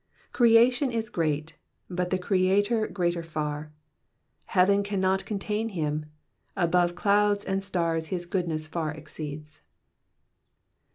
Creation is great, but the Creator greater far. Heaven cannot contain him ; above clouds and stars his goodness far exceeds.